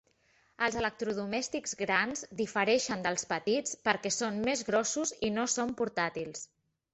El electrodomèstics grans difereixen dels petits perquè són més grossos i no són portàtils.